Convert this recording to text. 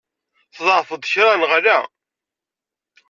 Tḍeɛfeḍ-d kra, neɣ ala?